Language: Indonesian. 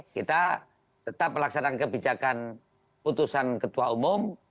kita tetap melaksanakan kebijakan putusan ketua umum